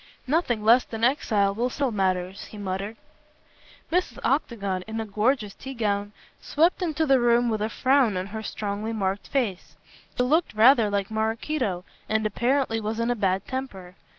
"Nothing less than exile will settle matters," he muttered. Mrs. Octagon, in a gorgeous tea gown, swept into the room with a frown on her strongly marked face. She looked rather like Maraquito, and apparently was in a bad temper.